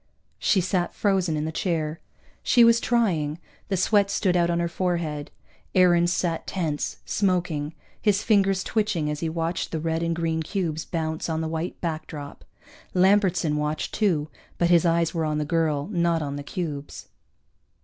_ She sat frozen in the chair. She was trying; the sweat stood out on her forehead. Aarons sat tense, smoking, his fingers twitching as he watched the red and green cubes bounce on the white backdrop. Lambertson watched too, but his eyes were on the girl, not on the cubes.